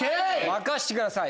任せてください！